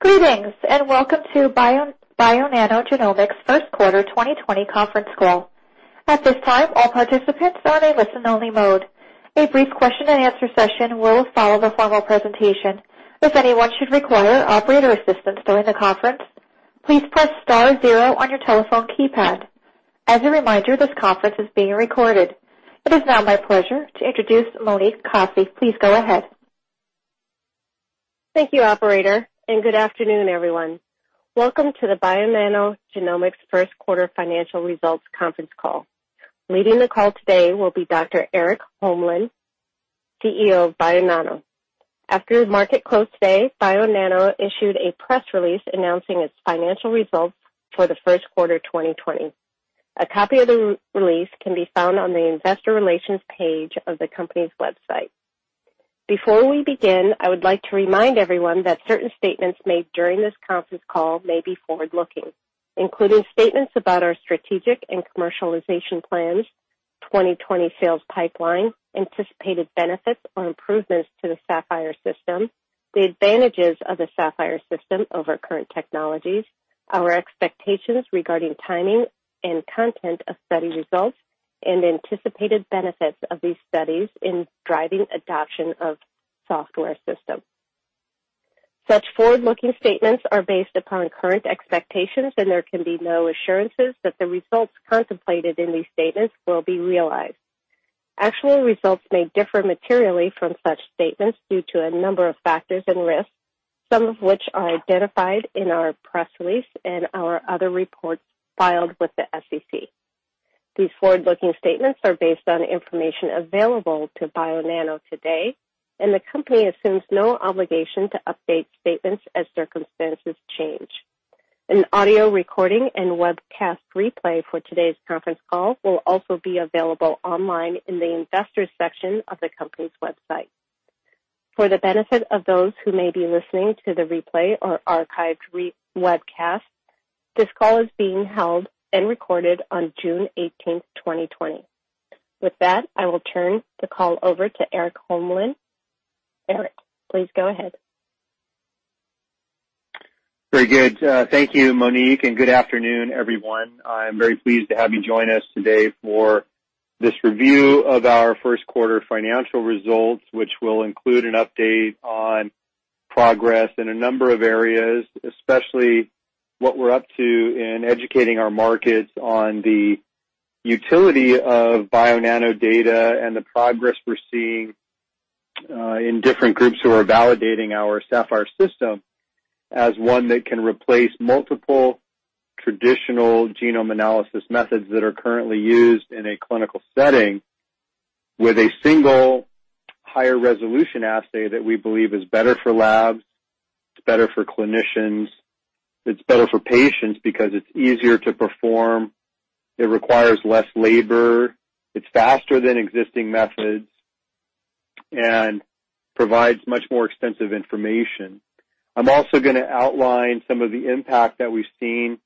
Greetings, and welcome to Bionano Genomics' first quarter 2020 conference call. At this time, all participants are in listen-only mode. A brief question and answer session will follow the formal presentation. If anyone should require operator assistance during the conference, please press star zero on your telephone keypad. As a reminder, this conference is being recorded. It is now my pleasure to introduce Monique Kosse. Please go ahead. Thank you, operator, and good afternoon, everyone. Welcome to the Bionano Genomics first quarter financial results conference call. Leading the call today will be Dr. Erik Holmlin, CEO of Bionano. After market close today, Bionano Genomics issued a press release announcing its financial results for the first quarter 2020. A copy of the release can be found on the investor relations page of the company's website. Before we begin, I would like to remind everyone that certain statements made during this conference call may be forward-looking, including statements about our strategic and commercialization plans, 2020 sales pipeline, anticipated benefits or improvements to the Saphyr system, the advantages of the Saphyr system over current technologies, our expectations regarding timing and content of study results, and anticipated benefits of these studies in driving adoption of Saphyr system. Such forward-looking statements are based upon current expectations, and there can be no assurances that the results contemplated in these statements will be realized. Actual results may differ materially from such statements due to a number of factors and risks, some of which are identified in our press release and our other reports filed with the SEC. These forward-looking statements are based on information available to Bionano Genomics today, and the company assumes no obligation to update statements as circumstances change. An audio recording and webcast replay for today's conference call will also be available online in the investors section of the company's website. For the benefit of those who may be listening to the replay or archived webcast, this call is being held and recorded on June 18th, 2020. With that, I will turn the call over to Erik Holmlin. Erik, please go ahead. Very good. Thank you, Monique. Good afternoon, everyone. I'm very pleased to have you join us today for this review of our first quarter financial results, which will include an update on progress in a number of areas, especially what we're up to in educating our markets on the utility of Bionano data and the progress we're seeing in different groups who are validating our Saphyr system as one that can replace multiple traditional genome analysis methods that are currently used in a clinical setting with a single higher resolution assay that we believe is better for labs, it's better for clinicians, it's better for patients because it's easier to perform, it requires less labor, it's faster than existing methods, and provides much more extensive information. I'm also going to outline some of the impact that we've seen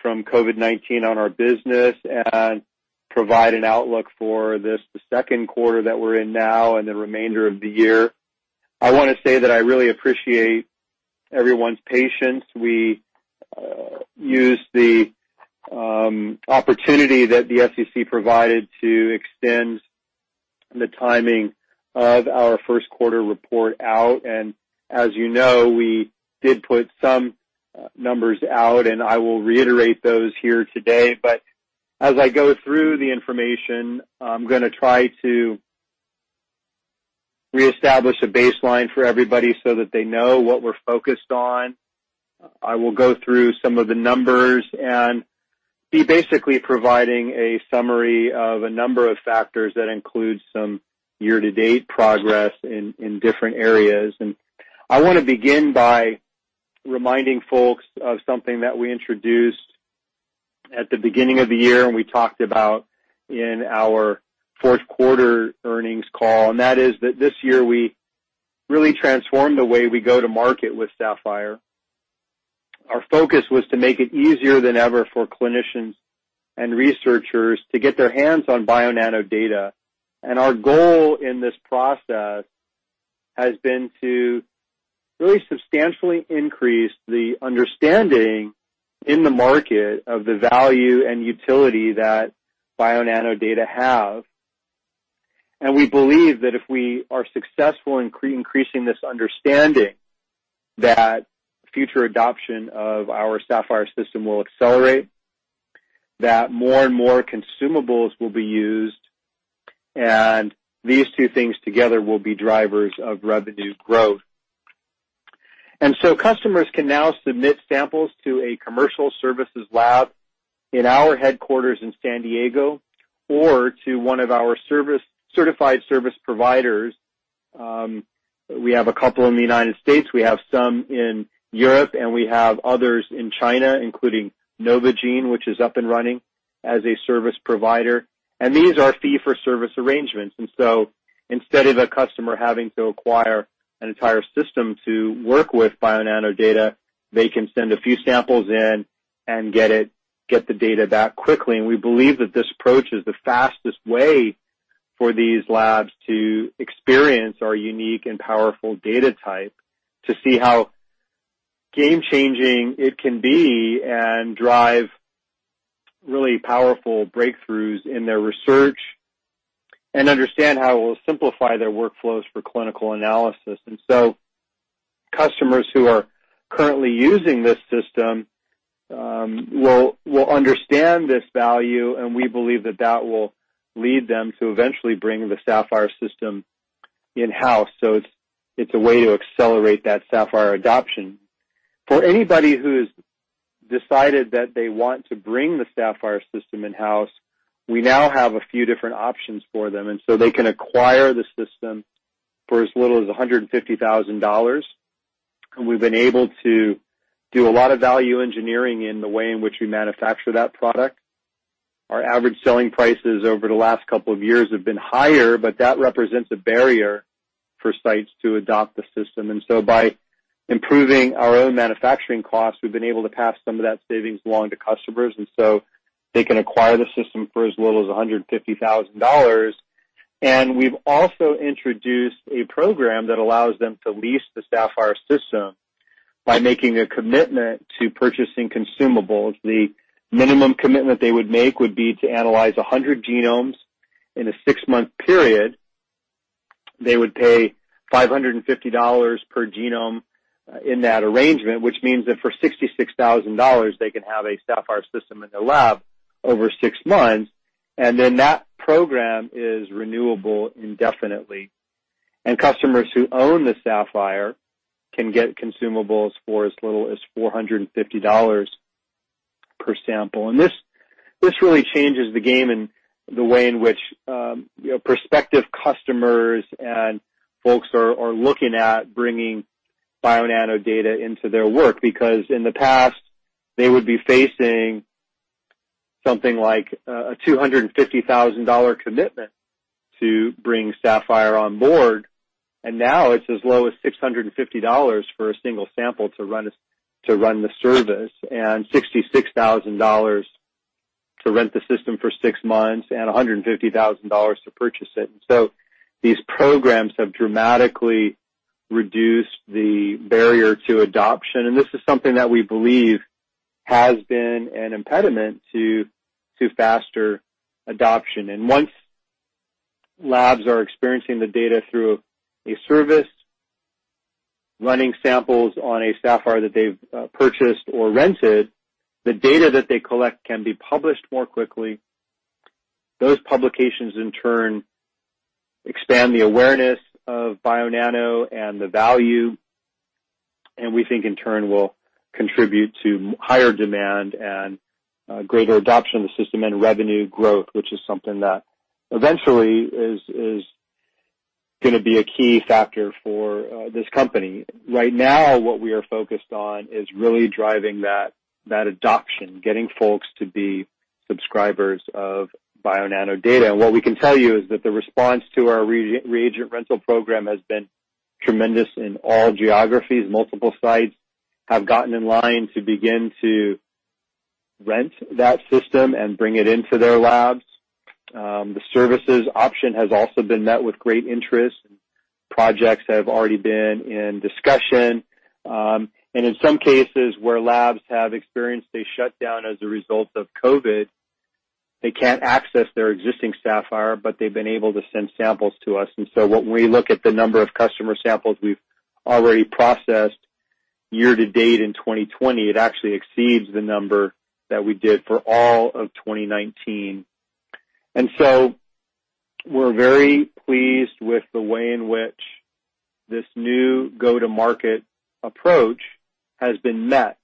from COVID-19 on our business and provide an outlook for this second quarter that we're in now and the remainder of the year. I want to say that I really appreciate everyone's patience. As you know, we did put some numbers out, and I will reiterate those here today. As I go through the information, I'm going to try to reestablish a baseline for everybody so that they know what we're focused on. I will go through some of the numbers and be basically providing a summary of a number of factors that include some year-to-date progress in different areas. I want to begin by reminding folks of something that we introduced at the beginning of the year, and we talked about in our fourth quarter earnings call, and that is that this year we really transformed the way we go to market with Saphyr. Our focus was to make it easier than ever for clinicians and researchers to get their hands on Bionano data. Our goal in this process has been to really substantially increase the understanding in the market of the value and utility that Bionano data have. We believe that if we are successful in increasing this understanding, that future adoption of our Saphyr system will accelerate, that more and more consumables will be used, and these two things together will be drivers of revenue growth. Customers can now submit samples to a commercial services lab in our headquarters in San Diego or to one of our certified service providers. We have a couple in the U.S., we have some in Europe, and we have others in China, including Novogene, which is up and running as a service provider. These are fee-for-service arrangements. Instead of a customer having to acquire an entire system to work with Bionano data, they can send a few samples in and get the data back quickly. We believe that this approach is the fastest way for these labs to experience our unique and powerful data type, to see how game-changing it can be, and drive really powerful breakthroughs in their research, and understand how it will simplify their workflows for clinical analysis. Customers who are currently using this system will understand this value, and we believe that that will lead them to eventually bring the Saphyr system in-house. It's a way to accelerate that Saphyr adoption. For anybody who's decided that they want to bring the Saphyr system in-house, we now have a few different options for them. They can acquire the system for as little as $150,000. We've been able to do a lot of value engineering in the way in which we manufacture that product. Our average selling prices over the last couple of years have been higher. That represents a barrier for sites to adopt the system. By improving our own manufacturing costs, we've been able to pass some of that savings along to customers. They can acquire the system for as little as $150,000. We've also introduced a program that allows them to lease the Saphyr system by making a commitment to purchasing consumables. The minimum commitment they would make would be to analyze 100 genomes in a six-month period. They would pay $550 per genome in that arrangement, which means that for $66,000, they can have a Saphyr system in their lab over six months, and then that program is renewable indefinitely. Customers who own the Saphyr can get consumables for as little as $450 per sample. This really changes the game in the way in which prospective customers and folks are looking at bringing Bionano data into their work. In the past, they would be facing something like a $250,000 commitment to bring Saphyr on board, and now it's as low as $650 for a single sample to run the service and $66,000 to rent the system for six months and $150,000 to purchase it. These programs have dramatically reduced the barrier to adoption, and this is something that we believe has been an impediment to faster adoption. Once labs are experiencing the data through a service, running samples on a Saphyr that they've purchased or rented, the data that they collect can be published more quickly. Those publications, in turn, expand the awareness of Bionano Genomics and the value, and we think in turn, will contribute to higher demand and greater adoption of the system and revenue growth, which is something that eventually is going to be a key factor for this company. Right now, what we are focused on is really driving that adoption, getting folks to be subscribers of Bionano data. What we can tell you is that the response to our reagent rental program has been tremendous in all geographies. Multiple sites have gotten in line to begin to rent that system and bring it into their labs. The services option has also been met with great interest. Projects have already been in discussion. In some cases where labs have experienced a shutdown as a result of COVID, they can't access their existing Saphyr, but they've been able to send samples to us. When we look at the number of customer samples we've already processed year to date in 2020, it actually exceeds the number that we did for all of 2019. We're very pleased with the way in which this new go-to-market approach has been met.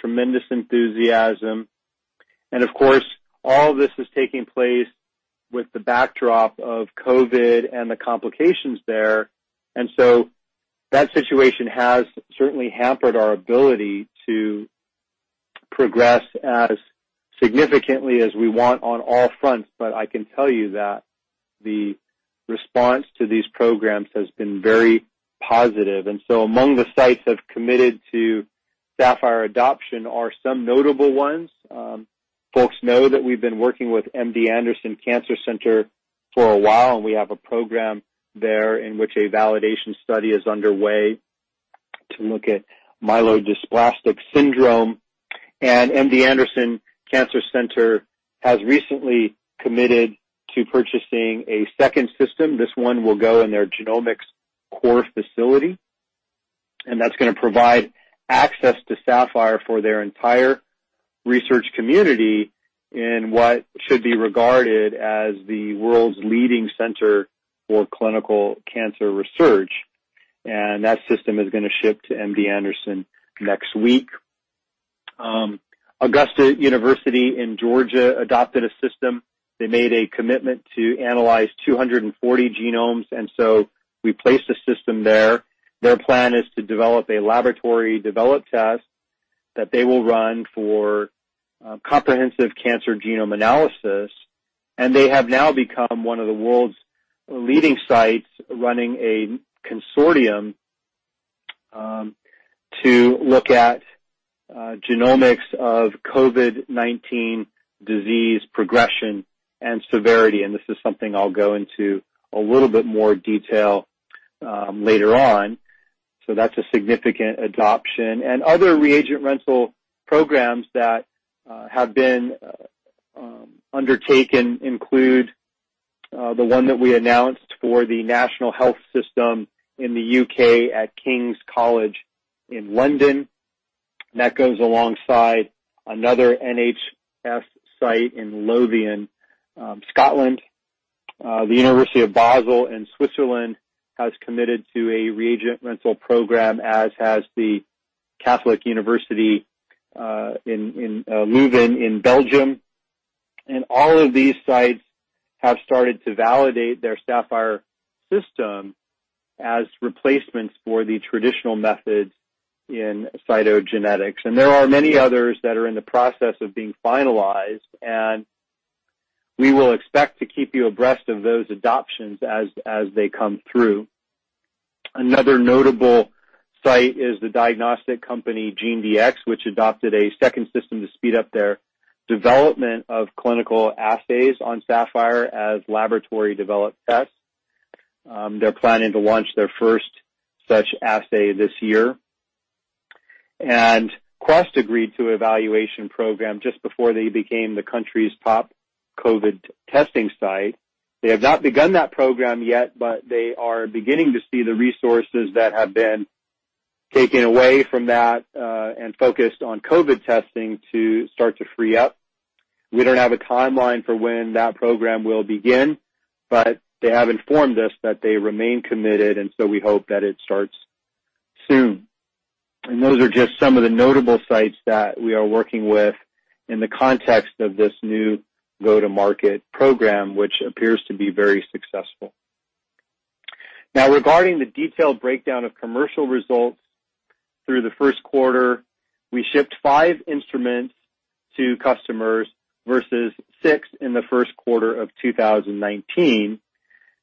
Tremendous enthusiasm. Of course, all this is taking place with the backdrop of COVID and the complications there. That situation has certainly hampered our ability to progress as significantly as we want on all fronts. I can tell you that the response to these programs has been very positive. Among the sites that have committed to Saphyr adoption are some notable ones. Folks know that we've been working with University of Texas MD Anderson Cancer Center for a while, and we have a program there in which a validation study is underway to look at myelodysplastic syndrome. University of Texas MD Anderson Cancer Center has recently committed to purchasing a second system. This one will go in their genomics core facility, that's going to provide access to Saphyr for their entire research community in what should be regarded as the world's leading center for clinical cancer research. That system is going to ship to University of Texas MD Anderson Cancer Center next week. Augusta University in Georgia adopted a system. They made a commitment to analyze 240 genomes, we placed a system there. Their plan is to develop a laboratory developed test that they will run for comprehensive cancer genome analysis, they have now become one of the world's leading sites running a consortium to look at genomics of COVID-19 disease progression and severity, this is something I'll go into a little bit more detail later on. That's a significant adoption. Other reagent rental programs that have been undertaken include the one that we announced for the National Health Service in the U.K. at King's College Hospital in London. That goes alongside another NHS site in Lothian, Scotland. The University Hospital Basel in Switzerland has committed to a reagent rental program, as has KU Leuven, in Belgium. All of these sites have started to validate their Saphyr system as replacements for the traditional methods in cytogenetics. There are many others that are in the process of being finalized, and we will expect to keep you abreast of those adoptions as they come through. Another notable site is the diagnostic company GeneDx, which adopted a second system to speed up their development of clinical assays on Saphyr as laboratory developed tests. They're planning to launch their first such assay this year. Quest agreed to evaluation program just before they became the country's top COVID testing site. They have not begun that program yet, but they are beginning to see the resources that have been taken away from that, and focused on COVID testing to start to free up. We don't have a timeline for when that program will begin, but they have informed us that they remain committed, and so we hope that it starts soon. Those are just some of the notable sites that we are working with in the context of this new go-to-market program, which appears to be very successful. Now, regarding the detailed breakdown of commercial results through the first quarter, we shipped five instruments to customers versus six in the first quarter of 2019.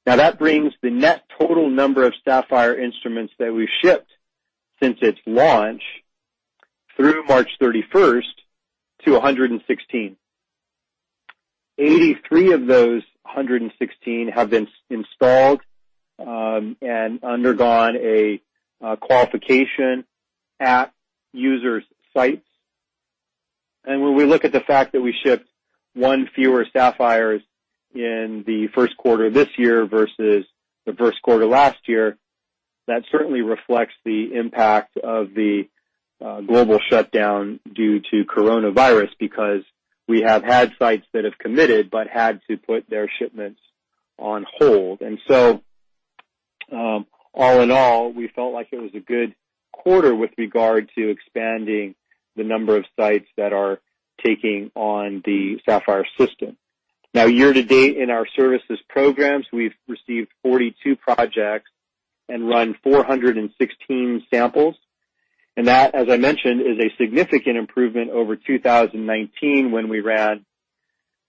That brings the net total number of Saphyr instruments that we've shipped since its launch through March 31st to 116. 83 of those 116 have been installed, and undergone a qualification at users' sites. When we look at the fact that we shipped one fewer Saphyr in the first quarter this year versus the first quarter last year, that certainly reflects the impact of the global shutdown due to coronavirus, because we have had sites that have committed but had to put their shipments on hold. All in all, we felt like it was a good quarter with regard to expanding the number of sites that are taking on the Saphyr system. Year-to-date in our services programs, we've received 42 projects and run 416 samples. That, as I mentioned, is a significant improvement over 2019 when we ran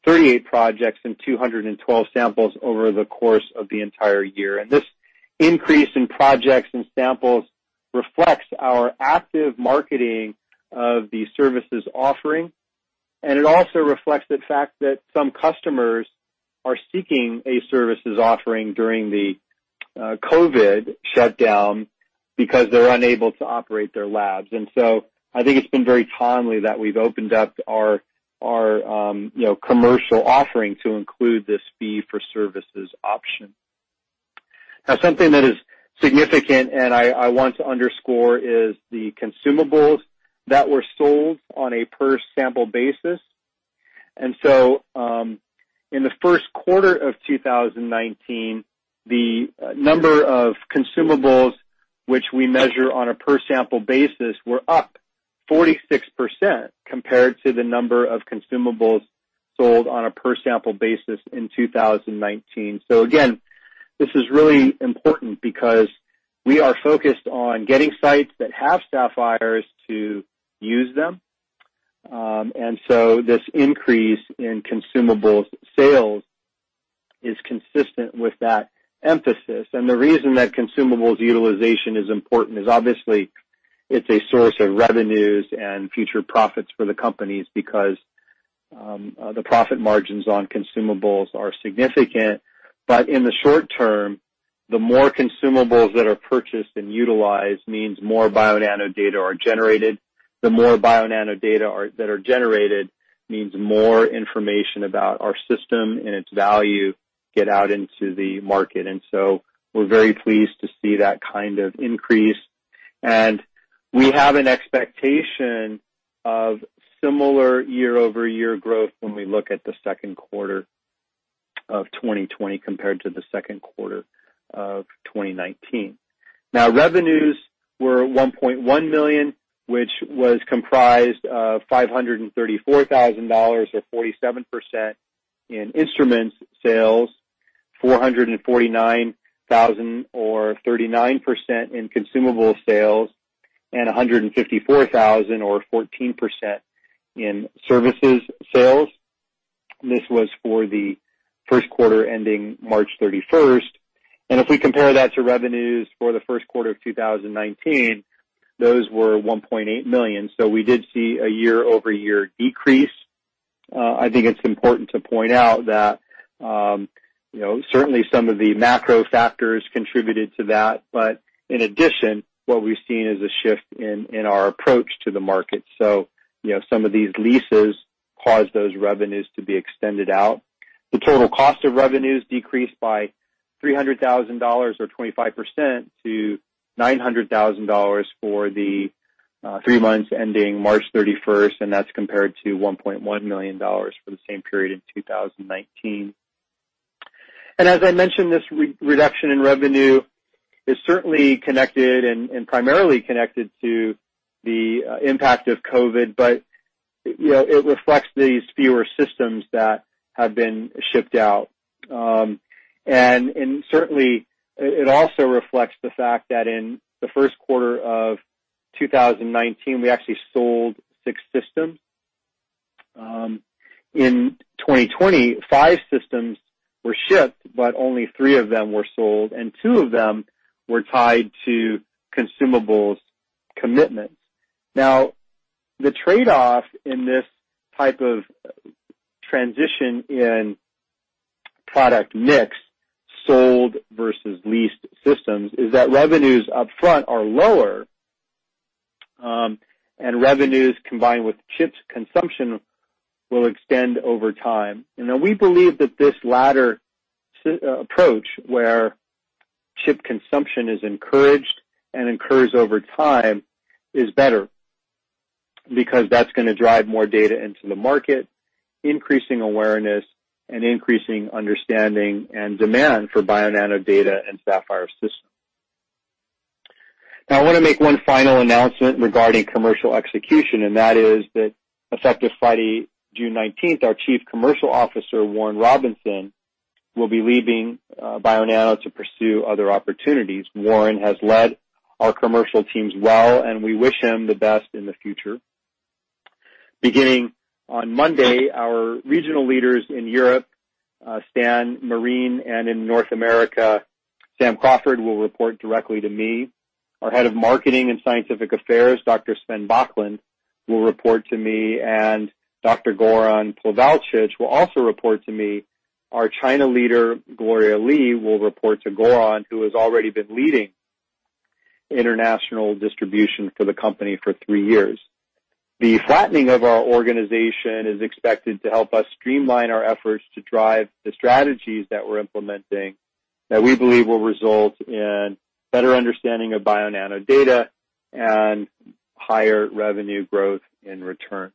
38 projects and 212 samples over the course of the entire year. This increase in projects and samples reflects our active marketing of the services offering, and it also reflects the fact that some customers are seeking a services offering during the COVID shutdown because they're unable to operate their labs. I think it's been very timely that we've opened up our commercial offering to include this fee-for-services option. Now, something that is significant, and I want to underscore, is the consumables that were sold on a per-sample basis. In the first quarter of 2019, the number of consumables which we measure on a per-sample basis were up 46% compared to the number of consumables sold on a per-sample basis in 2019. Again, this is really important because we are focused on getting sites that have Saphyrs to use them. This increase in consumables sales is consistent with that emphasis. The reason that consumables utilization is important is obviously it's a source of revenues and future profits for the companies because the profit margins on consumables are significant. In the short term, the more consumables that are purchased and utilized means more Bionano data are generated. The more Bionano data that are generated means more information about our system and its value get out into the market. We're very pleased to see that kind of increase. We have an expectation of similar year-over-year growth when we look at the second quarter of 2020 compared to the second quarter of 2019. Revenues were $1.1 million, which was comprised of $534,000 or 47% in instruments sales, $449,000 or 39% in consumable sales, and $154,000 or 14% in services sales. This was for the first quarter ending March 31st. If we compare that to revenues for the first quarter of 2019, those were $1.8 million. We did see a year-over-year decrease. I think it's important to point out that certainly some of the macro factors contributed to that. In addition, what we've seen is a shift in our approach to the market. Some of these leases caused those revenues to be extended out. The total cost of revenues decreased by $300,000 or 25% to $900,000 for the three months ending March 31st, and that's compared to $1.1 million for the same period in 2019. As I mentioned, this reduction in revenue is certainly connected and primarily connected to the impact of COVID, but it reflects these fewer systems that have been shipped out. Certainly, it also reflects the fact that in the first quarter of 2019, we actually sold six systems. In 2020, five systems were shipped, but only three of them were sold, and two of them were tied to consumables commitments. Now, the trade-off in this type of transition in product mix, sold versus leased systems, is that revenues up front are lower, and revenues combined with chips consumption will extend over time. We believe that this latter approach, where chip consumption is encouraged and incurs over time, is better because that's going to drive more data into the market, increasing awareness and increasing understanding and demand for Bionano data and Saphyr systems. I want to make one final announcement regarding commercial execution, and that is that effective Friday, June 19th, our Chief Commercial Officer, Warren Robinson, will be leaving Bionano Genomics to pursue other opportunities. Warren has led our commercial teams well, and we wish him the best in the future. Beginning on Monday, our regional leaders in Europe, Stanislas Marin, and in North America, Sam Crawford, will report directly to me. Our head of marketing and scientific affairs, Dr. Sven Bocklandt, will report to me, and Dr. Goran Pljevaljcic will also report to me. Our China leader, Gloria Li, will report to Goran, who has already been leading international distribution for the company for three years. The flattening of our organization is expected to help us streamline our efforts to drive the strategies that we're implementing that we believe will result in better understanding of Bionano data and higher revenue growth in return.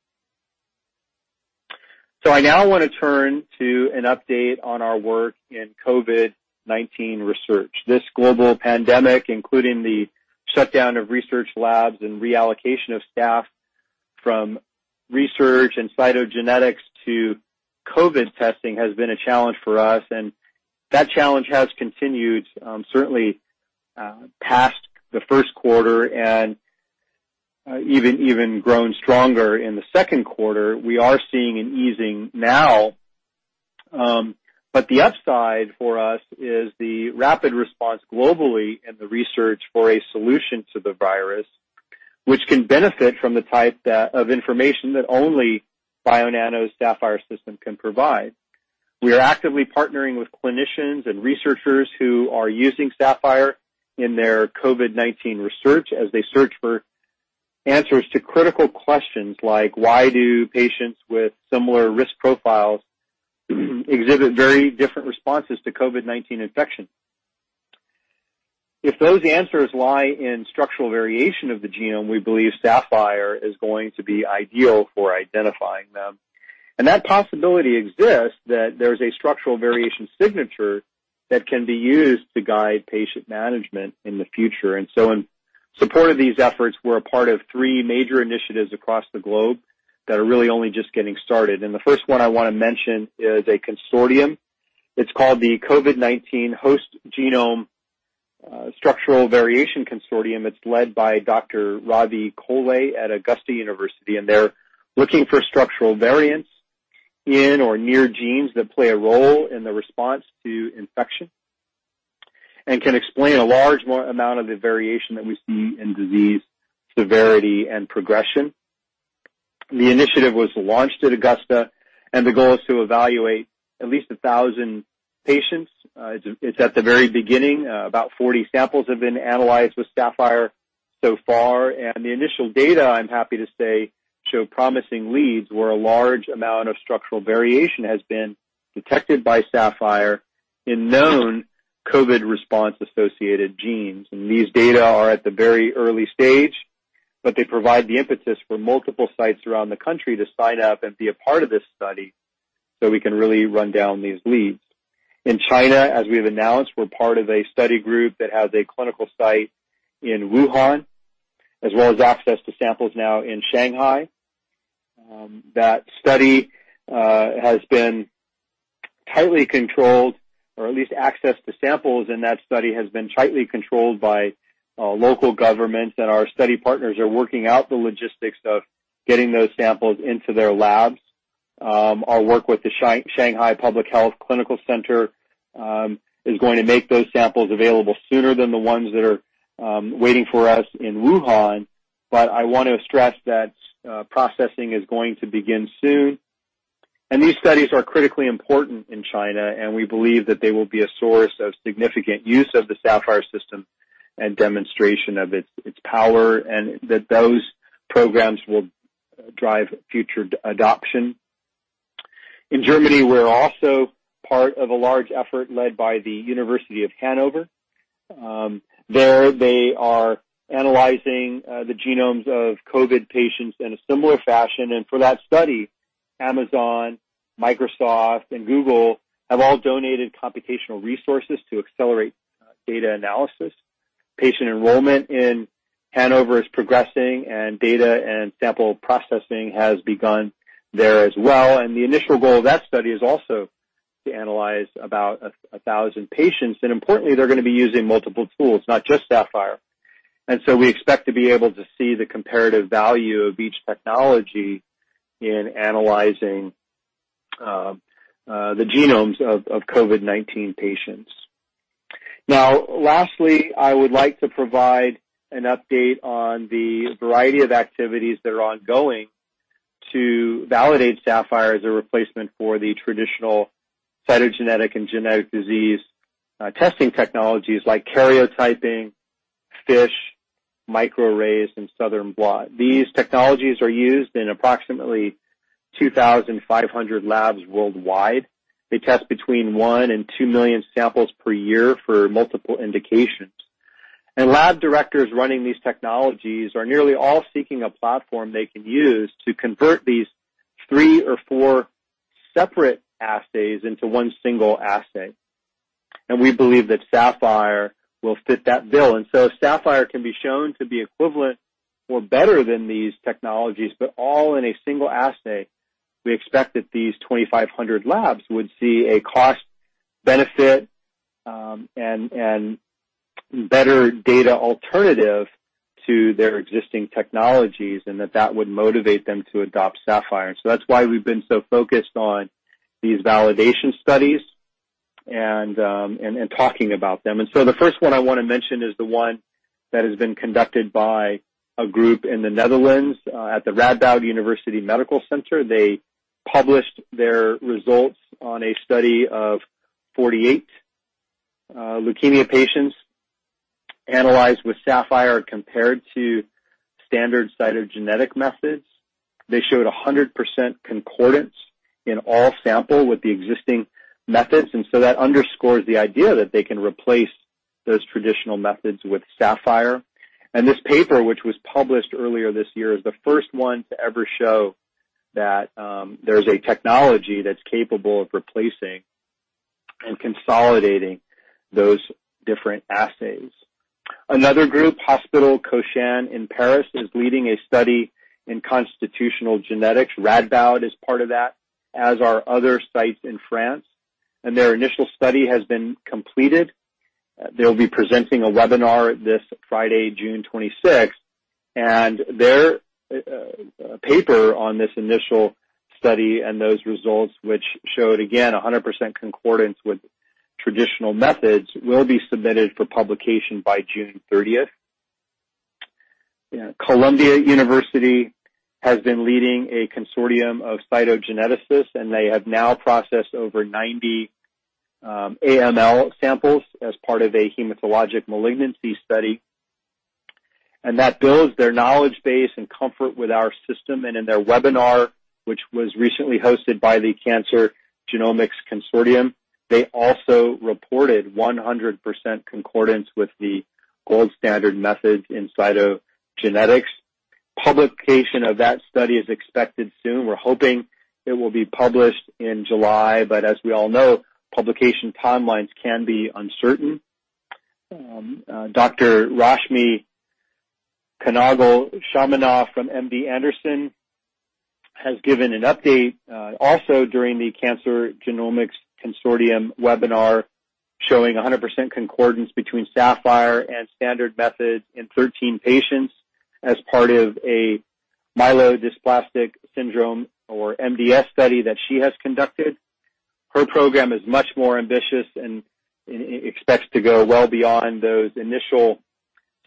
I now want to turn to an update on our work in COVID-19 research. This global pandemic, including the shutdown of research labs and reallocation of staff from research and cytogenetics to COVID testing, has been a challenge for us, and that challenge has continued, certainly, past the first quarter and even grown stronger in the second quarter. We are seeing an easing now, the upside for us is the rapid response globally and the research for a solution to the virus, which can benefit from the type of information that only Bionano's Saphyr system can provide. We are actively partnering with clinicians and researchers who are using Saphyr in their COVID-19 research as they search for answers to critical questions like why do patients with similar risk profiles exhibit very different responses to COVID-19 infection? If those answers lie in structural variation of the genome, we believe Saphyr is going to be ideal for identifying them. That possibility exists that there's a structural variation signature that can be used to guide patient management in the future. In support of these efforts, we're a part of three major initiatives across the globe that are really only just getting started. The first one I want to mention is a consortium. It's called the COVID-19 Host Genome Structural Variation Consortium. It's led by Dr. Ravindra Kolhe at Augusta University, and they're looking for structural variants in or near genes that play a role in the response to infection and can explain a large amount of the variation that we see in disease severity and progression. The initiative was launched at Augusta University, and the goal is to evaluate at least 1,000 patients. It's at the very beginning. About 40 samples have been analyzed with Saphyr so far, and the initial data, I'm happy to say, show promising leads where a large amount of structural variation has been detected by Saphyr in known COVID response-associated genes. These data are at the very early stage, but they provide the impetus for multiple sites around the country to sign up and be a part of this study so we can really run down these leads. In China, as we have announced, we're part of a study group that has a clinical site in Wuhan, as well as access to samples now in Shanghai. That study has been tightly controlled, or at least access to samples in that study has been tightly controlled by local governments. Our study partners are working out the logistics of getting those samples into their labs. Our work with the Shanghai Public Health Clinical Center is going to make those samples available sooner than the ones that are waiting for us in Wuhan. I want to stress that processing is going to begin soon. These studies are critically important in China. We believe that they will be a source of significant use of the Saphyr system and demonstration of its power. That those programs will drive future adoption. In Germany, we're also part of a large effort led by the Hannover Medical School. There, they are analyzing the genomes of COVID-19 patients in a similar fashion. For that study, Amazon, Microsoft, and Google have all donated computational resources to accelerate data analysis. Patient enrollment in Hannover is progressing, and data and sample processing has begun there as well. The initial goal of that study is also to analyze about 1,000 patients. Importantly, they're going to be using multiple tools, not just Saphyr. We expect to be able to see the comparative value of each technology in analyzing the genomes of COVID-19 patients. Lastly, I would like to provide an update on the variety of activities that are ongoing to validate Saphyr as a replacement for the traditional cytogenetic and genetic disease testing technologies like karyotyping, FISH, microarrays, and Southern blot. These technologies are used in approximately 2,500 labs worldwide. They test between one and two million samples per year for multiple indications. Lab directors running these technologies are nearly all seeking a platform they can use to convert these three or four separate assays into one single assay. We believe that Saphyr will fit that bill. If Saphyr can be shown to be equivalent or better than these technologies, but all in a single assay, we expect that these 2,500 labs would see a cost benefit, and better data alternative to their existing technologies, and that that would motivate them to adopt Saphyr. That's why we've been so focused on these validation studies and talking about them. The first one I want to mention is the one that has been conducted by a group in the Netherlands at the Radboud University Medical Center. They published their results on a study of 48 leukemia patients analyzed with Saphyr compared to standard cytogenetic methods. They showed 100% concordance in all sample with the existing methods, and so that underscores the idea that they can replace those traditional methods with Saphyr. This paper, which was published earlier this year, is the first one to ever show that there's a technology that's capable of replacing and consolidating those different assays. Another group, Hôpital Cochin in Paris, is leading a study in constitutional genetics. Radboud is part of that, as are other sites in France, and their initial study has been completed. They'll be presenting a webinar this Friday, June 26th, and their paper on this initial study and those results, which showed, again, 100% concordance with traditional methods, will be submitted for publication by June 30th. Columbia University has been leading a consortium of cytogeneticists, and they have now processed over 90 AML samples as part of a hematologic malignancy study, and that builds their knowledge base and comfort with our system. In their webinar, which was recently hosted by the Cancer Genomics Consortium, they also reported 100% concordance with the gold standard methods in cytogenetics. Publication of that study is expected soon. We're hoping it will be published in July, but as we all know, publication timelines can be uncertain. Dr. Rashmi Kanagal-Shamanna from MD Anderson Cancer Center has given an update, also during the Cancer Genomics Consortium webinar, showing 100% concordance between Saphyr and standard methods in 13 patients as part of a myelodysplastic syndrome, or MDS, study that she has conducted. Her program is much more ambitious and expects to go well beyond those initial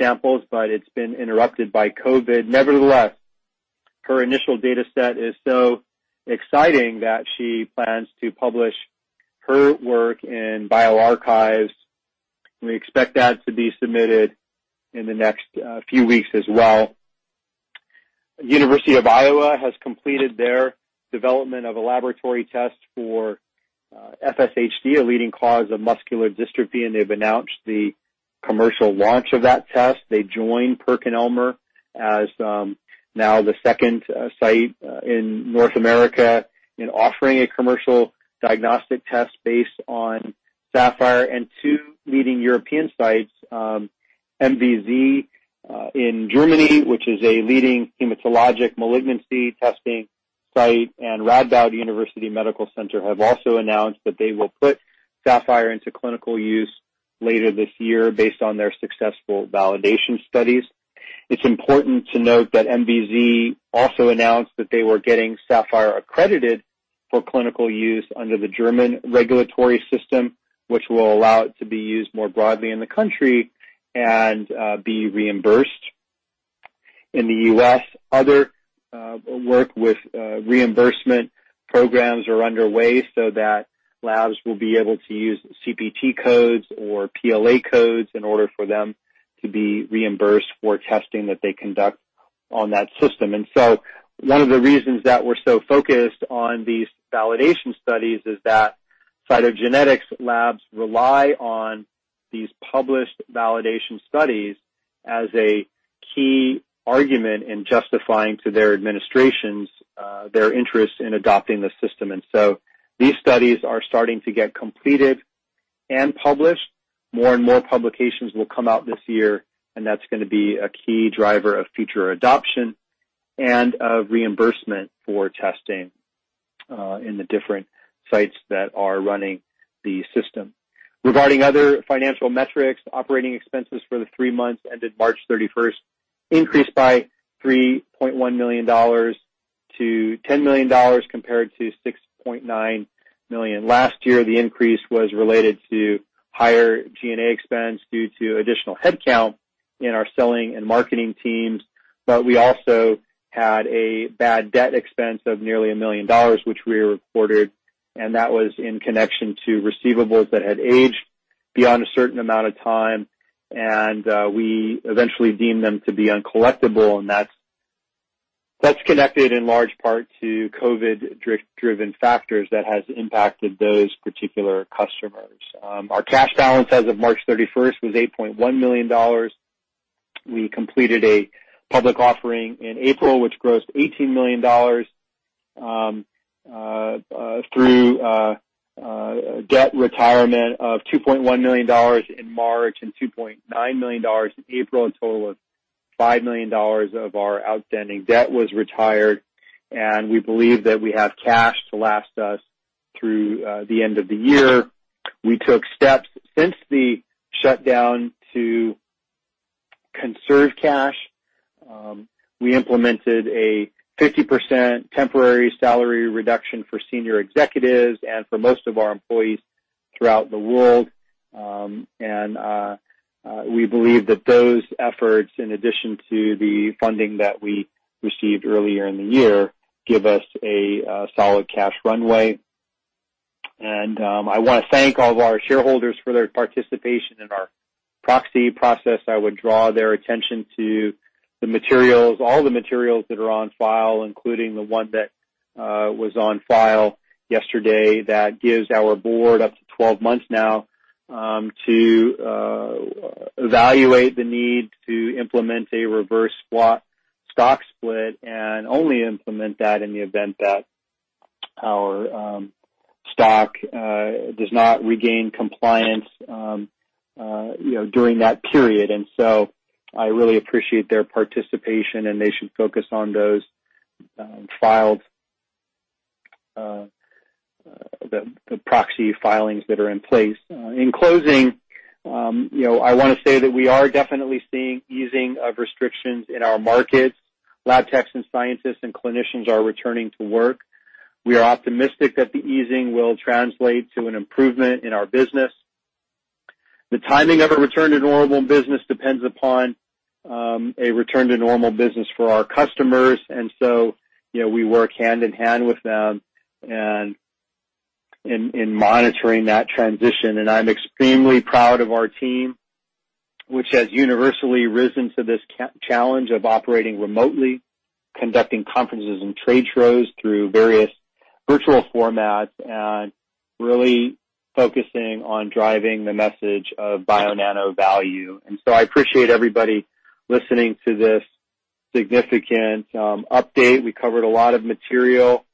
samples, but it's been interrupted by COVID. Nevertheless, her initial data set is so exciting that she plans to publish her work in bioRxiv. We expect that to be submitted in the next few weeks as well. University of Iowa has completed their development of a laboratory test for FSHD, a leading cause of muscular dystrophy, and they've announced the commercial launch of that test. They've joined PerkinElmer as now the second site in North America in offering a commercial diagnostic test based on Saphyr, and two leading European sites, MVZ in Germany, which is a leading hematologic malignancy testing site, and Radboud University Medical Center have also announced that they will put Saphyr into clinical use later this year based on their successful validation studies. It's important to note that MVZ also announced that they were getting Saphyr accredited for clinical use under the German regulatory system, which will allow it to be used more broadly in the country and be reimbursed. In the U.S., other work with reimbursement programs are underway so that labs will be able to use CPT codes or PLA codes in order for them to be reimbursed for testing that they conduct on that system. One of the reasons that we're so focused on these validation studies is that cytogenetics labs rely on these published validation studies as a key argument in justifying to their administrations, their interest in adopting the system. These studies are starting to get completed and published. More and more publications will come out this year, and that's going to be a key driver of future adoption and of reimbursement for testing in the different sites that are running the system. Regarding other financial metrics, operating expenses for the three months ended March 31st increased by $3.1 million to $10 million compared to $6.9 million. Last year, the increase was related to higher G&A expense due to additional headcount in our selling and marketing teams. We also had a bad debt expense of nearly $1 million, which we reported, and that was in connection to receivables that had aged beyond a certain amount of time, and we eventually deemed them to be uncollectible. That's connected in large part to COVID-driven factors that has impacted those particular customers. Our cash balance as of March 31st was $8.1 million. We completed a public offering in April, which grossed $18 million through debt retirement of $2.1 million in March and $2.9 million in April. A total of $5 million of our outstanding debt was retired, we believe that we have cash to last us through the end of the year. We took steps since the shutdown to conserve cash. We implemented a 50% temporary salary reduction for senior executives and for most of our employees throughout the world. We believe that those efforts, in addition to the funding that we received earlier in the year, give us a solid cash runway. I want to thank all of our shareholders for their participation in our proxy process. I would draw their attention to the materials, all the materials that are on file, including the one that was on file yesterday that gives our board up to 12 months now, to evaluate the need to implement a reverse stock split and only implement that in the event that our stock does not regain compliance during that period. I really appreciate their participation, and they should focus on those proxy filings that are in place. In closing, I want to say that we are definitely seeing easing of restrictions in our markets. Lab techs and scientists and clinicians are returning to work. We are optimistic that the easing will translate to an improvement in our business. The timing of a return to normal business depends upon a return to normal business for our customers. We work hand in hand with them in monitoring that transition. I'm extremely proud of our team, which has universally risen to this challenge of operating remotely, conducting conferences and trade shows through various virtual formats, and really focusing on driving the message of Bionano Genomics value. I appreciate everybody listening to this significant update. We covered a lot of material,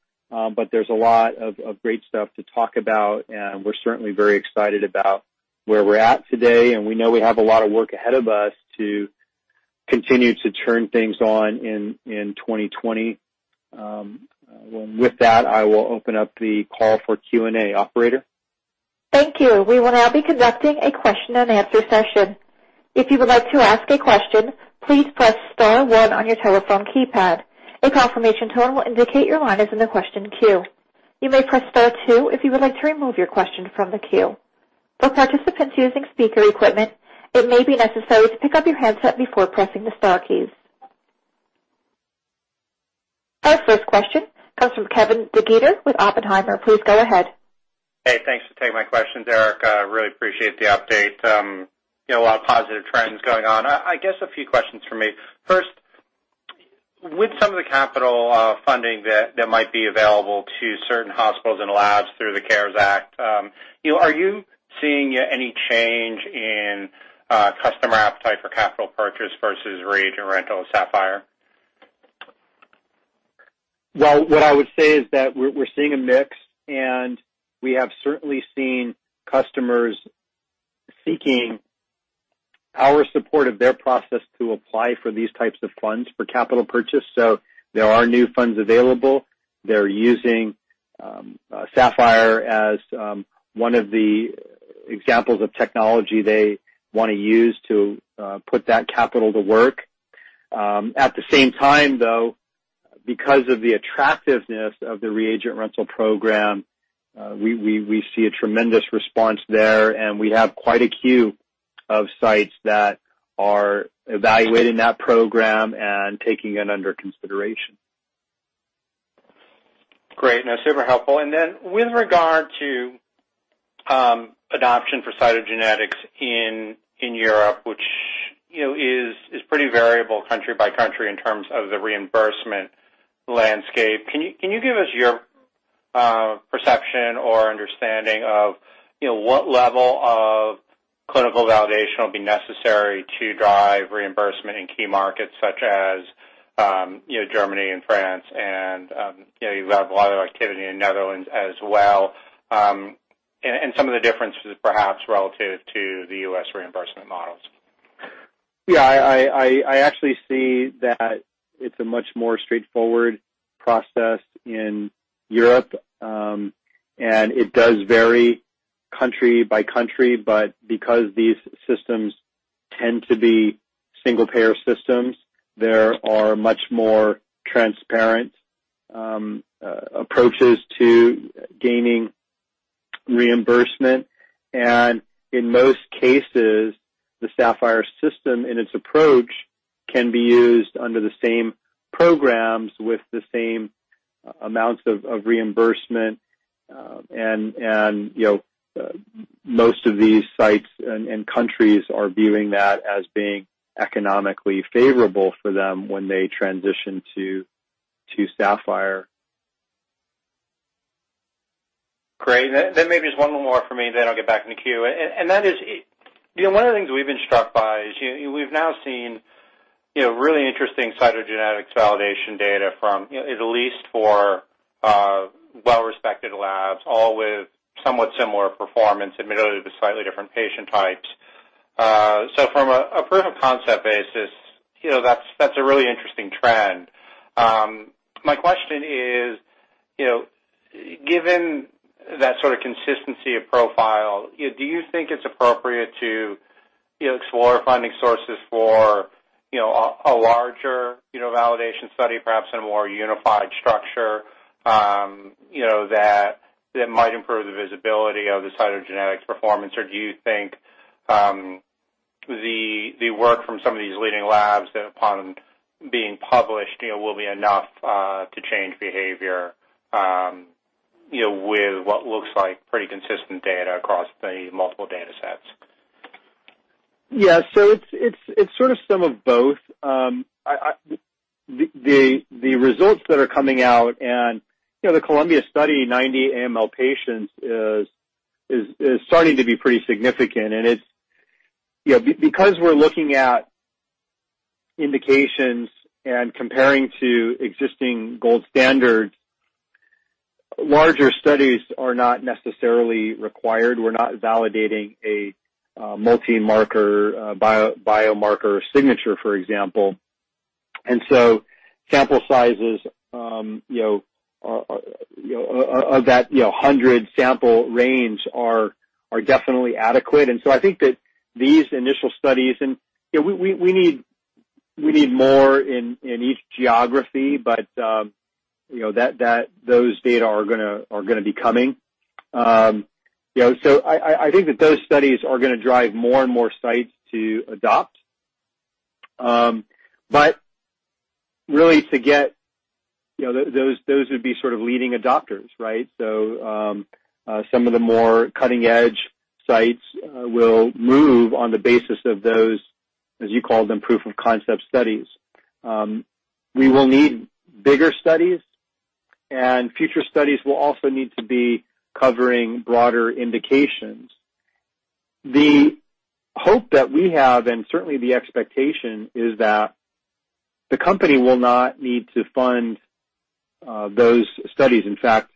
but there's a lot of great stuff to talk about, and we're certainly very excited about where we're at today, and we know we have a lot of work ahead of us to continue to turn things on in 2020. With that, I will open up the call for Q&A. Operator? Thank you. We will now be conducting a question and answer session. If you would like to ask a question, please press star one on your telephone keypad. A confirmation tone will indicate your line is in the question queue. You may press star two if you would like to remove your question from the queue. For participants using speaker equipment, it may be necessary to pick up your handset before pressing the star keys. Our first question comes from Kevin DeGeeter with Oppenheimer. Please go ahead. Hey, thanks for taking my questions, Erik. I really appreciate the update. A lot of positive trends going on. I guess a few questions from me. First, with some of the capital funding that might be available to certain hospitals and labs through the CARES Act, are you seeing any change in customer appetite for capital purchase versus reagent rental of Saphyr? Well, what I would say is that we're seeing a mix, and we have certainly seen customers seeking our support of their process to apply for these types of funds for capital purchase. There are new funds available. They're using Saphyr as one of the examples of technology they want to use to put that capital to work. At the same time, though, because of the attractiveness of the reagent rental program, we see a tremendous response there, and we have quite a queue of sites that are evaluating that program and taking it under consideration. Great. No, super helpful. With regard to adoption for cytogenetics in Europe, which is pretty variable country by country in terms of the reimbursement landscape, can you give us your perception or understanding of what level of clinical validation will be necessary to drive reimbursement in key markets such as Germany and France, and you have a lot of activity in Netherlands as well, and some of the differences perhaps relative to the U.S. reimbursement models? Yeah, I actually see that it's a much more straightforward process in Europe. It does vary country by country, but because these systems tend to be single-payer systems, there are much more transparent approaches to gaining reimbursement. In most cases, the Saphyr system, in its approach, can be used under the same programs with the same amounts of reimbursement. Most of these sites and countries are viewing that as being economically favorable for them when they transition to Saphyr. Great. Maybe just one more from me, then I'll get back in the queue. That is, one of the things we've been struck by is, we've now seen really interesting cytogenetics validation data from, at least for well-respected labs, all with somewhat similar performance, admittedly with slightly different patient types. From a proof of concept basis, that's a really interesting trend. My question is, given that sort of consistency of profile, do you think it's appropriate to explore funding sources for a larger validation study, perhaps in a more unified structure, that might improve the visibility of the cytogenetics performance? Do you think the work from some of these leading labs, upon being published, will be enough to change behavior, with what looks like pretty consistent data across the multiple data sets? Yeah, it's sort of some of both. The results that are coming out and the Columbia study, 90 AML patients, is starting to be pretty significant. Because we're looking at indications and comparing to existing gold standard, larger studies are not necessarily required. We're not validating a multi-marker biomarker signature, for example. Sample sizes of that 100 sample range are definitely adequate. I think that these initial studies, and we need more in each geography, but those data are going to be coming. I think that those studies are going to drive more and more sites to adopt. Really those would be sort of leading adopters, right? Some of the more cutting-edge sites will move on the basis of those, as you called them, proof of concept studies. We will need bigger studies, and future studies will also need to be covering broader indications. The hope that we have, and certainly the expectation, is that the company will not need to fund those studies. In fact,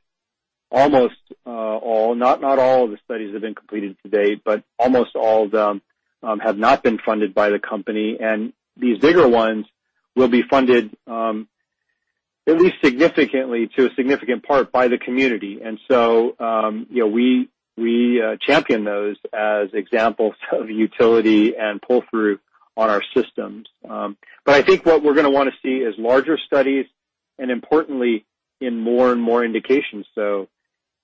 almost all, not all of the studies have been completed to date, but almost all of them have not been funded by the company. These bigger ones will be funded, at least significantly, to a significant part by the community. We champion those as examples of utility and pull-through on our systems. I think what we're going to want to see is larger studies, and importantly, in more and more indications.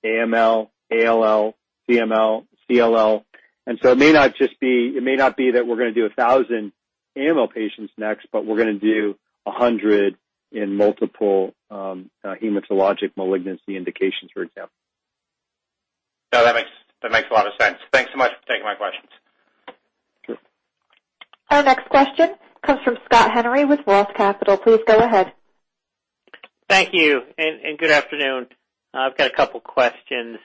AML, ALL, CML, CLL. It may not be that we're going to do 1,000 AML patients next, but we're going to do 100 in multiple hematologic malignancy indications, for example. No, that makes a lot of sense. Thanks so much for taking my questions. Sure. Our next question comes from Scott Henry with Roth Capital. Please go ahead. Thank you, and good afternoon. I've got two questions.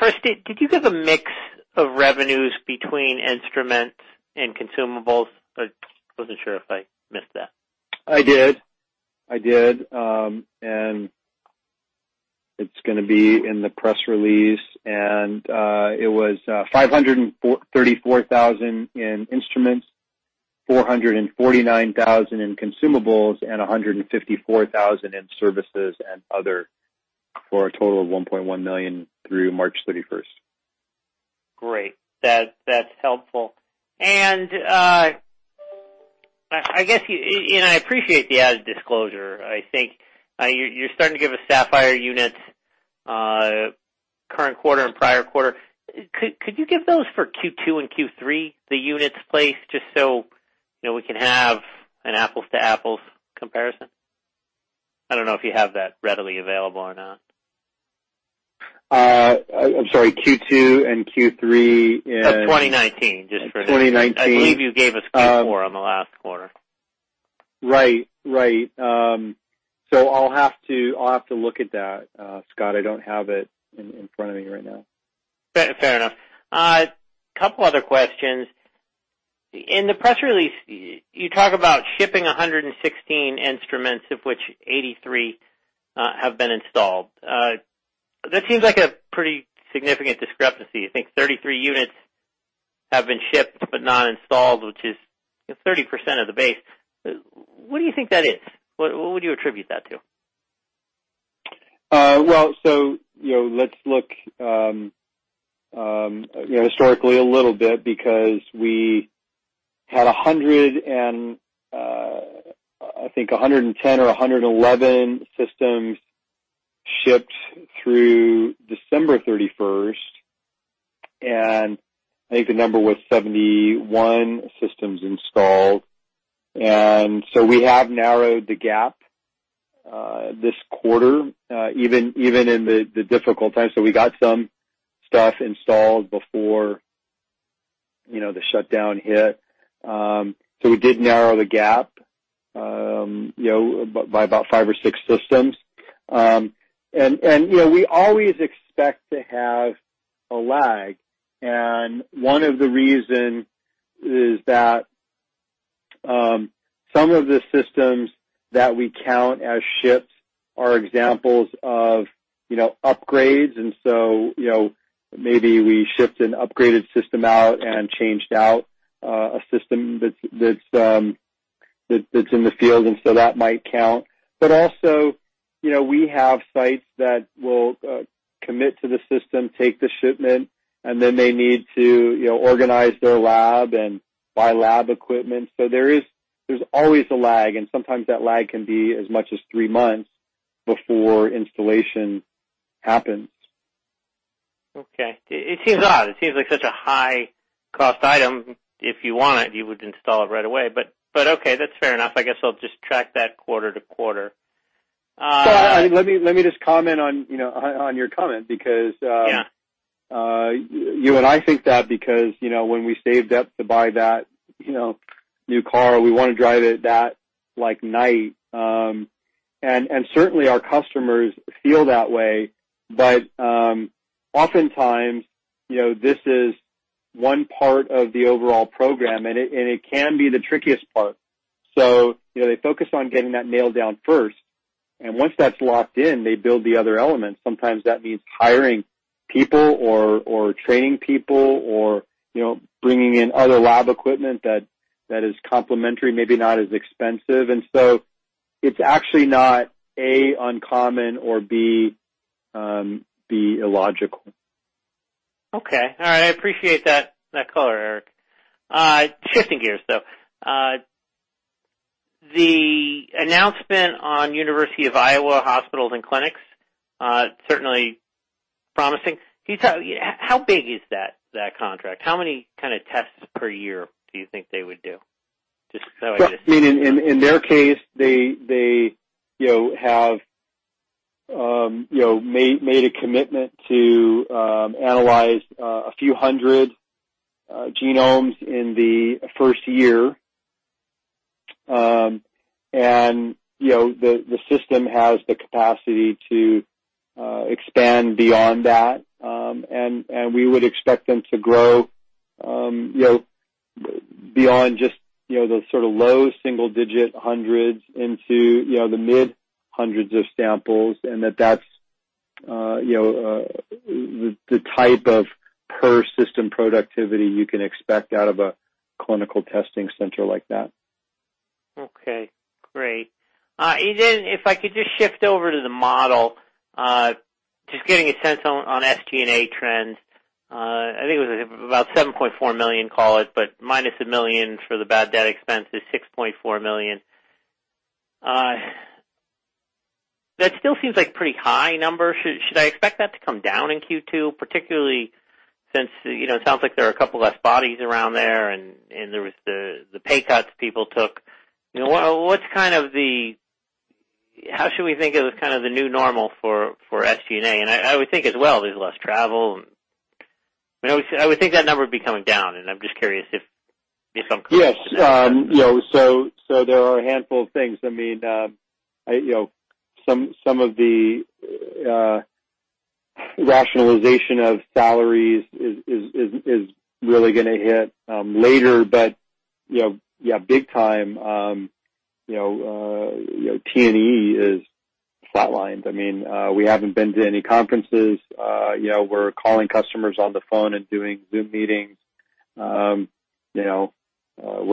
First, did you give a mix of revenues between instruments and consumables? I wasn't sure if I missed that. I did. It's going to be in the press release, and it was $534,000 in instruments, $449,000 in consumables, and $154,000 in services and other, for a total of $1.1 million through March 31st. Great. That's helpful. I appreciate the added disclosure. I think you're starting to give us Saphyr units, current quarter and prior quarter. Could you give those for Q2 and Q3, the units placed, just so we can have an apples to apples comparison? I don't know if you have that readily available or not. I'm sorry, Q2 and Q3. Of 2019, 2019. I believe you gave us Q4 on the last quarter. Right. I'll have to look at that, Scott. I don't have it in front of me right now. Fair enough. Couple other questions. In the press release, you talk about shipping 116 instruments, of which 83 have been installed. That seems like a pretty significant discrepancy. I think 33 units have been shipped but not installed, which is 30% of the base. What do you think that is? What would you attribute that to? Let's look historically a little bit, because we had, I think, 110 or 111 systems shipped through December 31st, and I think the number was 71 systems installed. We have narrowed the gap this quarter, even in the difficult times. We got some stuff installed before the shutdown hit. We did narrow the gap by about five or six systems. We always expect to have a lag. One of the reasons is that some of the systems that we count as shipped are examples of upgrades. Maybe we shipped an upgraded system out and changed out a system that's in the field, and so that might count. Also, we have sites that will commit to the system, take the shipment, and then they need to organize their lab and buy lab equipment. There's always a lag, and sometimes that lag can be as much as three months before installation happens. Okay. It seems odd. It seems like such a high cost item. If you want it, you would install it right away. Okay. That's fair enough. I guess I'll just track that quarter-to-quarter. Let me just comment on your comment, because- Yeah you and I think that because when we saved up to buy that new car, we want to drive it that night. Certainly, our customers feel that way. Oftentimes, this is one part of the overall program, and it can be the trickiest part. They focus on getting that nailed down first, and once that's locked in, they build the other elements. Sometimes that means hiring people or training people or bringing in other lab equipment that is complementary, maybe not as expensive. It's actually not, A, uncommon or, B, illogical. Okay. All right. I appreciate that color, Erik. Shifting gears, though. The announcement on University of Iowa Hospitals and Clinics, certainly promising. Can you tell, how big is that contract? How many tests per year do you think they would do? Just so I get a sense. In their case, they have made a commitment to analyze a few hundred genomes in the first year. The system has the capacity to expand beyond that. We would expect them to grow beyond just those sort of low single-digit hundreds into the mid-hundreds of samples, and that's the type of per system productivity you can expect out of a clinical testing center like that. Okay, great. If I could just shift over to the model, just getting a sense on SG&A trends. I think it was about $7.4 million, call it, but -$1 million for the bad debt expense is $6.4 million. That still seems like pretty high number. Should I expect that to come down in Q2, particularly since it sounds like there are a couple less bodies around there and there was the pay cuts people took? How should we think of as kind of the new normal for SG&A? I would think as well, there's less travel. I would think that number would be coming down, and I'm just curious if I'm correct on that. Yes. There are a handful of things. Some of the rationalization of salaries is really going to hit later. Big time, T&E is flat lined. We haven't been to any conferences. We're calling customers on the phone and doing Zoom meetings. We're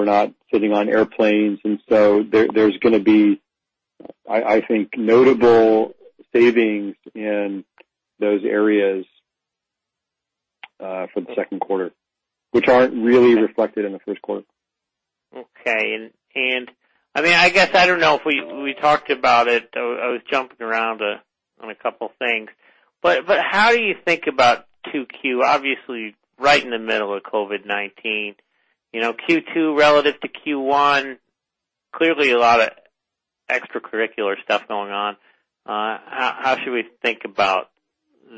not sitting on airplanes, there's going to be, I think, notable savings in those areas for the second quarter, which aren't really reflected in the first quarter. Okay. I guess I don't know if we talked about it, I was jumping around on a couple things. How do you think about 2Q? Obviously, right in the middle of COVID-19. Q2 relative to Q1, clearly a lot of extracurricular stuff going on. How should we think about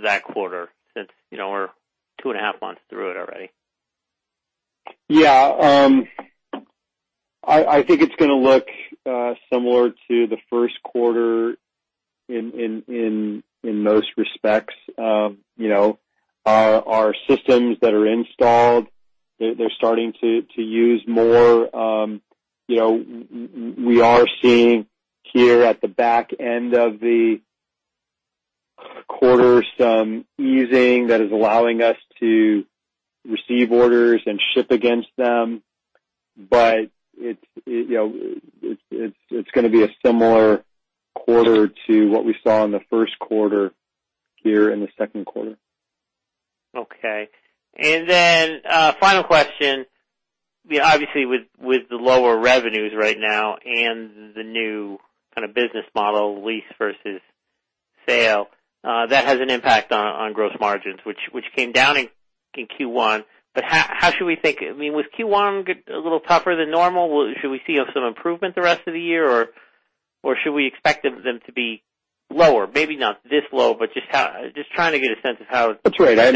that quarter since we're two and a half months through it already? Yeah. I think it's going to look similar to the first quarter in most respects. Our systems that are installed, they're starting to use more. We are seeing here at the back end of the quarter some easing that is allowing us to receive orders and ship against them. It's going to be a similar quarter to what we saw in the first quarter here in the second quarter. Okay. Final question. Obviously, with the lower revenues right now and the new kind of business model, lease versus sale, that has an impact on gross margins, which came down in Q1. How should we think? Was Q1 a little tougher than normal? Should we see some improvement the rest of the year, or should we expect them to be lower? Maybe not this low, but just trying to get a sense of how. That's right. I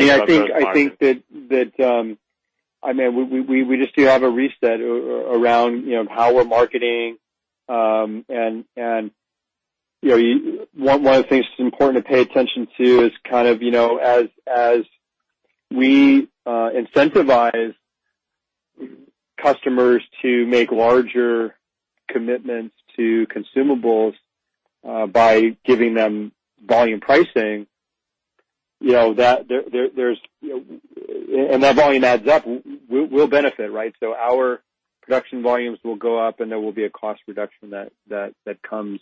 think that we just do have a reset around how we're marketing. One of the things that's important to pay attention to is as we incentivize customers to make larger commitments to consumables by giving them volume pricing, and that volume adds up, we'll benefit, right? Our production volumes will go up, and there will be a cost reduction that comes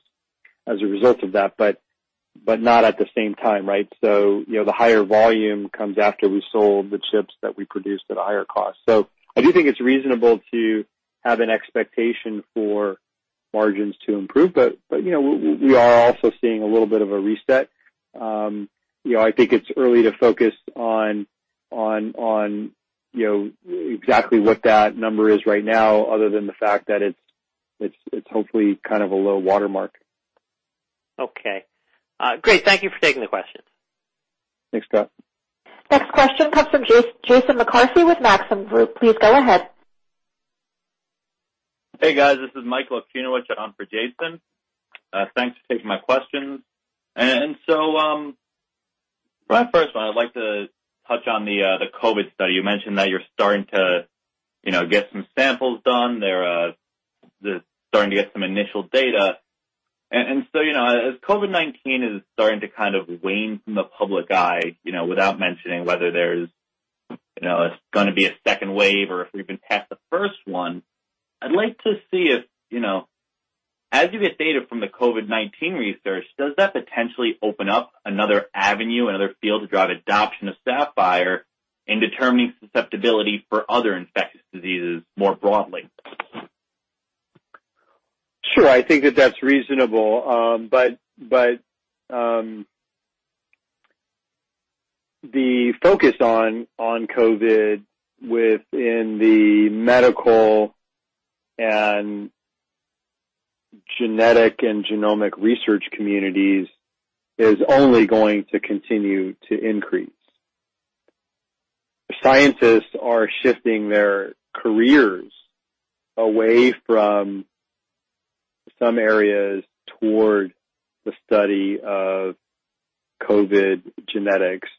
as a result of that, but not at the same time, right? The higher volume comes after we sold the chips that we produced at a higher cost. I do think it's reasonable to have an expectation for margins to improve, but we are also seeing a little bit of a reset. I think it's early to focus on exactly what that number is right now, other than the fact that it's hopefully kind of a low watermark. Okay. Great. Thank you for taking the questions. Thanks, Scott. Next question comes from Jason McCarthy with Maxim Group. Please go ahead. Hey, guys. This is Mike Laksinovich on for Jason. Thanks for taking my questions. First one, I'd like to touch on the COVID study. You mentioned that you're starting to get some samples done. Starting to get some initial data. As COVID-19 is starting to kind of wane from the public eye, without mentioning whether there's going to be a second wave or if we've been past the first one, I'd like to see if, as you get data from the COVID-19 research, does that potentially open up another avenue, another field to drive adoption of Saphyr in determining susceptibility for other infectious diseases more broadly? Sure. I think that's reasonable. The focus on COVID within the medical and genetic and genomic research communities is only going to continue to increase. Scientists are shifting their careers away from some areas toward the study of COVID genetics.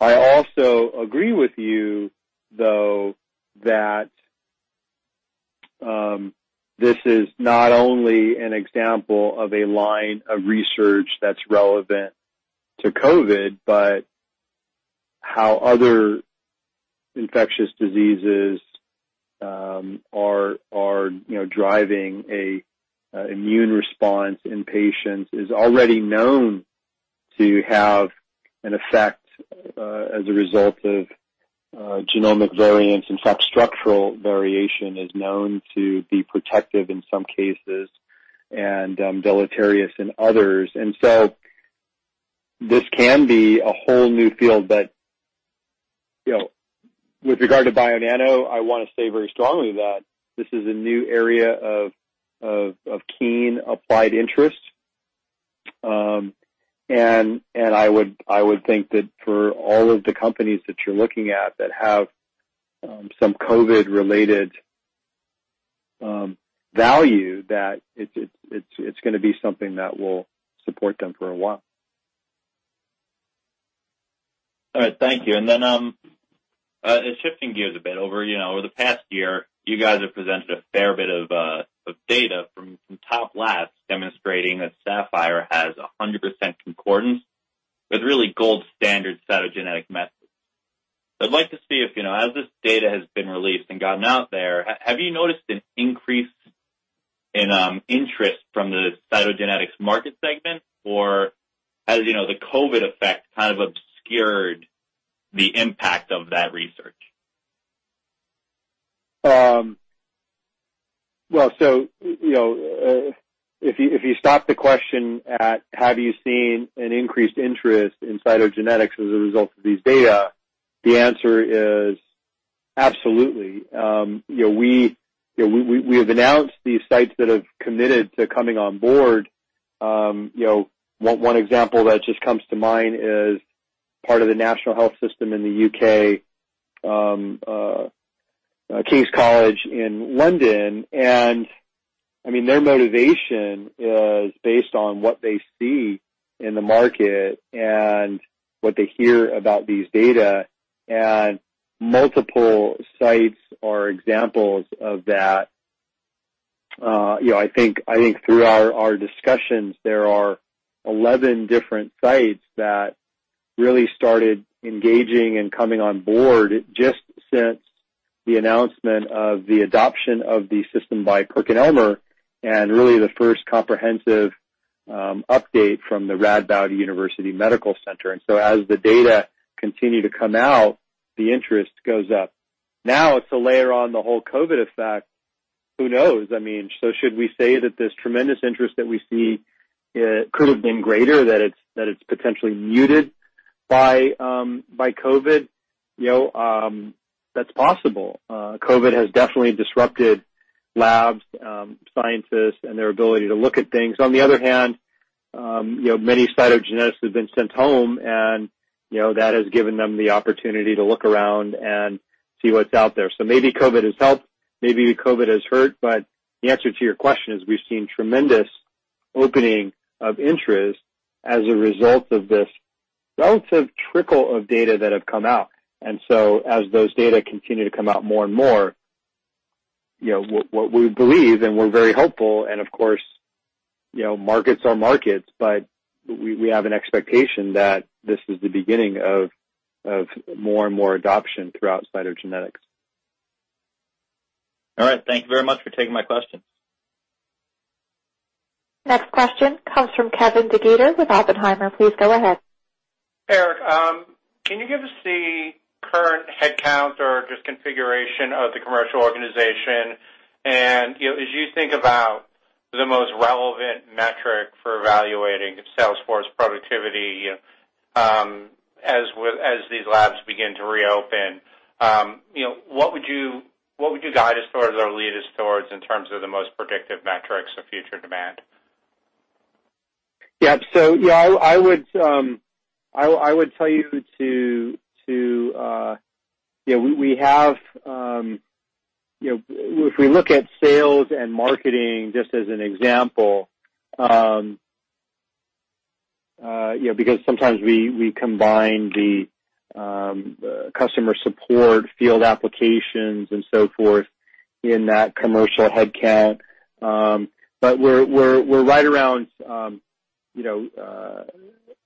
I also agree with you, though, that this is not only an example of a line of research that's relevant to COVID, but how other infectious diseases are driving an immune response in patients is already known to have an effect as a result of genomic variants. In fact, structural variation is known to be protective in some cases and deleterious in others. This can be a whole new field. With regard to Bionano Genomics, I want to say very strongly that this is a new area of keen applied interest, and I would think that for all of the companies that you're looking at that have some COVID-related value, that it's going to be something that will support them for a while. All right. Thank you. Shifting gears a bit. Over the past year, you guys have presented a fair bit of data from top labs demonstrating that Saphyr has 100% concordance with really gold standard cytogenetic methods. I'd like to see if, as this data has been released and gotten out there, have you noticed an increase in interest from the cytogenetics market segment, or has the COVID effect kind of obscured the impact of that research? If you stop the question at have you seen an increased interest in cytogenetics as a result of these data, the answer is absolutely. We have announced these sites that have committed to coming on board. One example that just comes to mind is part of the National Health Service in the U.K., King's College Hospital in London. Their motivation is based on what they see in the market and what they hear about these data. Multiple sites are examples of that. I think through our discussions, there are 11 different sites that really started engaging and coming on board just since the announcement of the adoption of the system by PerkinElmer, the first comprehensive update from the Radboud University Medical Center. As the data continue to come out, the interest goes up. To layer on the whole COVID-19 effect, who knows? Should we say that this tremendous interest that we see could have been greater, that it's potentially muted by COVID? That's possible. COVID has definitely disrupted labs, scientists, and their ability to look at things. On the other hand, many cytogeneticists have been sent home, and that has given them the opportunity to look around and see what's out there. Maybe COVID has helped, maybe COVID has hurt, but the answer to your question is, we've seen tremendous opening of interest as a result of this relative trickle of data that have come out. As those data continue to come out more and more, what we believe, and we're very hopeful, and of course, markets are markets, but we have an expectation that this is the beginning of more and more adoption throughout cytogenetics. All right. Thank you very much for taking my question. Next question comes from Kevin DeGeeter with Oppenheimer. Please go ahead. Erik, can you give us the current headcount or just configuration of the commercial organization? As you think about the most relevant metric for evaluating sales force productivity as these labs begin to reopen, what would you guide us towards or lead us towards in terms of the most predictive metrics of future demand? Yeah. If we look at sales and marketing, just as an example, because sometimes we combine the customer support field applications and so forth in that commercial headcount, but we're right around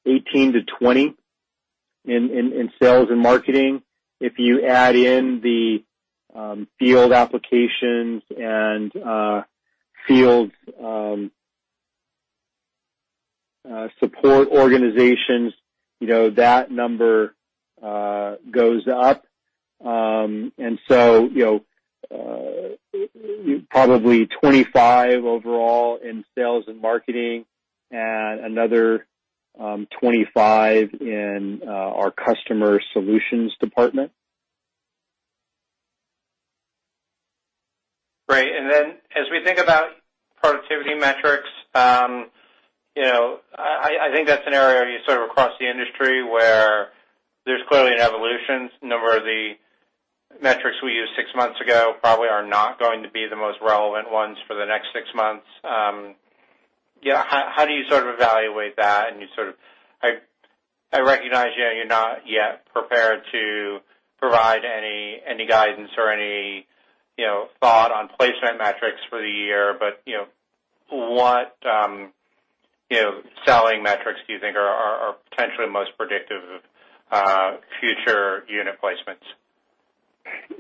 18-20 in sales and marketing. If you add in the field applications and field support organizations, that number goes up. Probably 25 overall in sales and marketing, and another 25 in our customer solutions department. Great. As we think about productivity metrics, I think that's an area you sort of across the industry where there's clearly an evolution. A number of the metrics we used six months ago probably are not going to be the most relevant ones for the next six months. How do you sort of evaluate that? I recognize you're not yet prepared to provide any guidance or any thought on placement metrics for the year, what selling metrics do you think are potentially most predictive of future unit placements?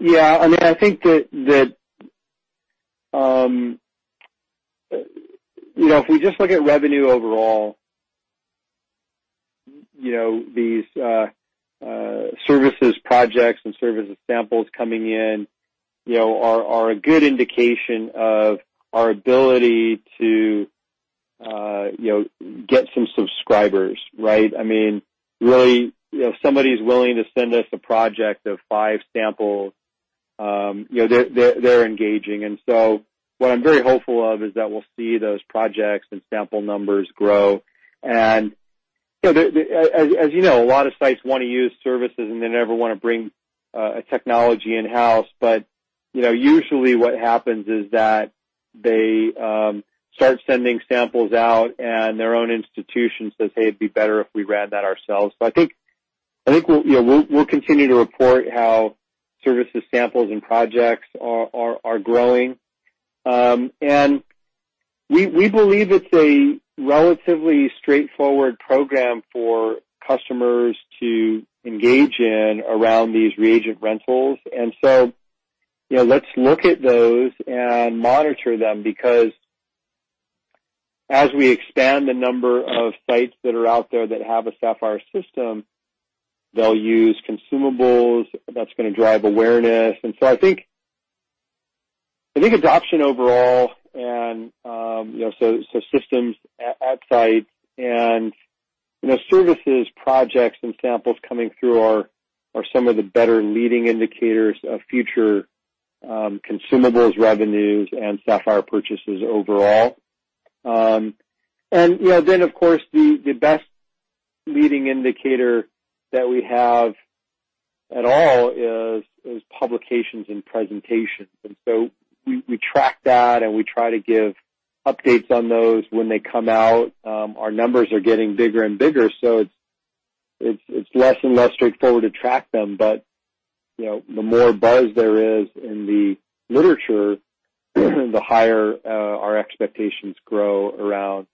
Yeah. I think that if we just look at revenue overall, these services projects and services samples coming in are a good indication of our ability to get some subscribers, right? If somebody's willing to send us a project of five samples. They're engaging. What I'm very hopeful of is that we'll see those projects and sample numbers grow. As you know, a lot of sites want to use services, and they never want to bring a technology in-house. Usually what happens is that they start sending samples out, and their own institution says, "Hey, it'd be better if we ran that ourselves." I think we'll continue to report how services, samples, and projects are growing. We believe it's a relatively straightforward program for customers to engage in around these reagent rentals. Let's look at those and monitor them, because as we expand the number of sites that are out there that have a Saphyr system, they'll use consumables. That's going to drive awareness. I think adoption overall, and so systems at sites and services, projects, and samples coming through are some of the better leading indicators of future consumables revenues and Saphyr purchases overall. Of course, the best leading indicator that we have at all is publications and presentations. We track that, and we try to give updates on those when they come out. Our numbers are getting bigger and bigger, so it's less and less straightforward to track them. The more buzz there is in the literature, the higher our expectations grow around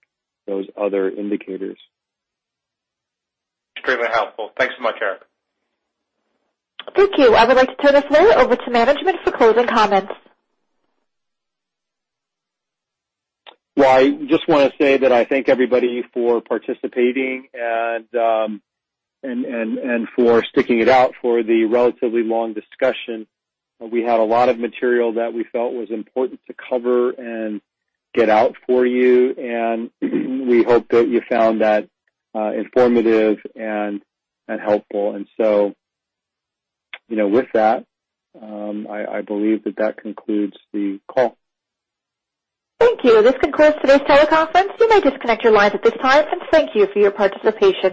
those other indicators. Extremely helpful. Thanks so much, Erik. Thank you. I would like to turn this now over to management for closing comments. Well, I just want to say that I thank everybody for participating and for sticking it out for the relatively long discussion. We had a lot of material that we felt was important to cover and get out for you, and we hope that you found that informative and helpful. With that, I believe that concludes the call. Thank you. This concludes today's teleconference. You may disconnect your lines at this time, and thank you for your participation.